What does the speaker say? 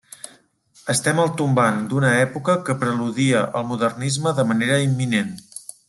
Estem al tombant d'una època que preludia el modernisme de manera imminent.